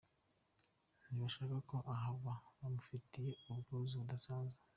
Ntibashaka ko ahava, bamufitiye ubwuzu budasanzwe”.